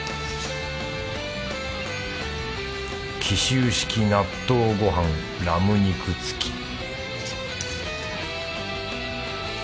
貴州式納豆ごはんラム肉付き